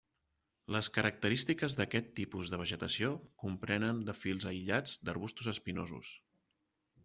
Les característiques d'aquest tipus de vegetació comprenen de fils aïllats d'arbustos espinosos.